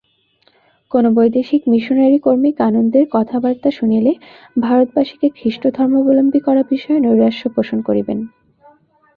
কোন বৈদেশিক মিশনরী কর্মী কানন্দের কথাবার্তা শুনিলে ভারতবাসীকে খ্রীষ্টধর্মাবলম্বী করা বিষয়ে নৈরাশ্য পোষণ করিবেন।